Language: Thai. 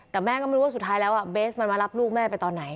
แต่แม่ก็ไม่รู้ว่าสุดท้ายแล้วเบสมันมารับลูกแม่ไปตอนไหน